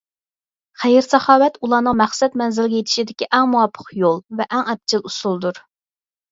خەير - ساخاۋەت ئۇلارنىڭ مەقسەت مەنزىلىگە يېتىشتىكى ئەڭ مۇۋاپىق يول ۋە ئەڭ ئەپچىل ئۇسۇلدۇر.